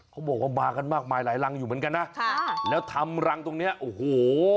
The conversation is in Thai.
เขาบอกว่ามากันมากมายหลายรังอยู่เหมือนกันนะค่ะแล้วทำรังตรงเนี้ยโอ้โห